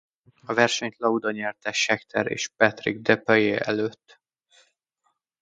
A versenyt Lauda nyerte Scheckter és Patrick Depailler előtt.